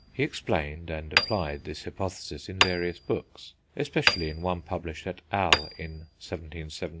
He explained, and applied, this hypothesis in various books, especially in one published at Halle in 1717.